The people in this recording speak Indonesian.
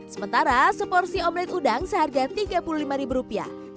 sementara seporsi omelette udang seharga rp tiga puluh lima